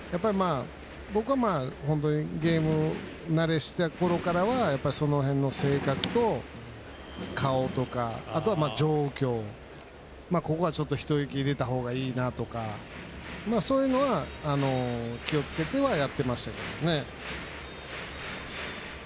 僕は、本当にゲーム慣れしたころからはその辺の性格と顔とか、あとは状況ここはちょっと一息入れた方がいいなとかそういうのは気をつけてはやってましたけどね。